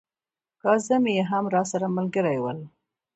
کاظم بې هم راسره ملګري ول.